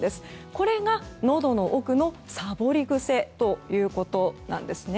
これがのどの奥のさぼり癖ということなんです。